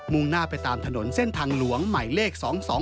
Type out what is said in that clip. งหน้าไปตามถนนเส้นทางหลวงใหม่เลข๒๒